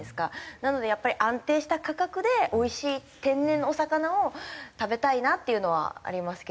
なのでやっぱり安定した価格でおいしい天然のお魚を食べたいなっていうのはありますけどね。